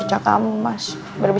ya udah deh